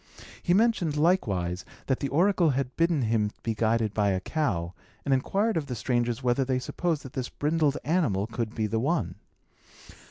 He mentioned, likewise, that the oracle had bidden him be guided by a cow, and inquired of the strangers whether they supposed that this brindled animal could be the one.